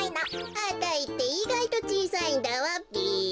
あたいっていがいとちいさいんだわべ。